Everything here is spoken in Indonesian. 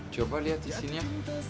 coba liat disini ya